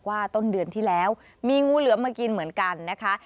ต้นเดือนที่แล้วมีงูเหลือมมากินเหมือนกันนะคะ